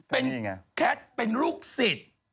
เป็นแคทเป็นลูกศิษย์